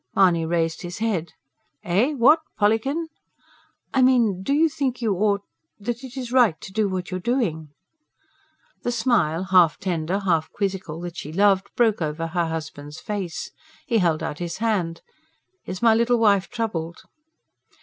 Mahony raised his head. "Eh? what, Pollykin?" "I mean, do you think you ought ... that it is right to do what you are doing?" The smile, half tender, half quizzical that she loved, broke over her husband's face. He held out his hand. "Is my little wife troubled?"